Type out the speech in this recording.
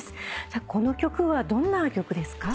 さあこの曲はどんな曲ですか？